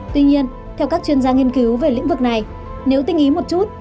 tuy nhiên theo các chuyên gia nghiên cứu về lĩnh vực này nếu tinh ý một chút